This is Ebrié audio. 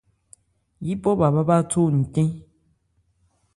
Yípɔ bhâ bhá bháthó ncɛ́n.